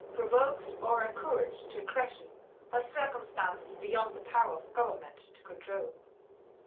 provoked or encouraged to aggression by circumstances beyond the power of Government to control....